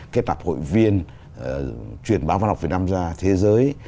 kết nạp hội viên truyền báo văn học việt nam ra thế giới